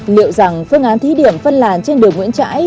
liệu rằng phương án thí điểm phân làn trên đường nguyễn trãi